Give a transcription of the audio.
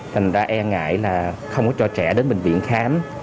thành ra e ngại là không có cho trẻ đến bệnh viện khám